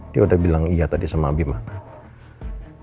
dia udah bilang iya tadi sama bima